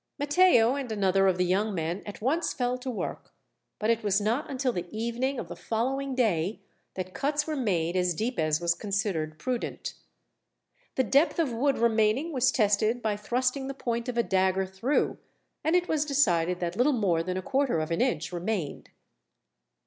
Matteo and another of the young men at once fell to work; but it was not until the evening of the following day that cuts were made as deep as was considered prudent. The depth of wood remaining was tested by thrusting the point of a dagger through, and it was decided that little more than a quarter of an inch remained.